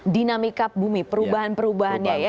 dinamika bumi perubahan perubahannya ya